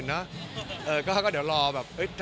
มีอีกประมาณ๑๐ปี